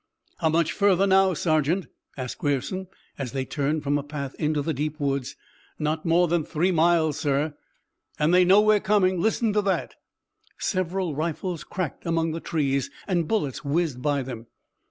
"How much further now, sergeant?" asked Grierson, as they turned from a path into the deep woods. "Not more than three miles, sir." "And they know we're coming. Listen to that!" Several rifles cracked among the trees and bullets whizzed by them.